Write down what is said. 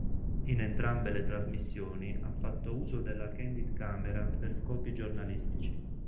In entrambe le trasmissioni ha fatto uso della candid camera per scopi giornalistici.